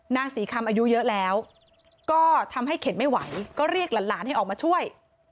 นางศรีคำอายุเยอะแล้วก็ทำให้เข็นไม่ไหวก็เรียกหลานให้ออกมาช่วย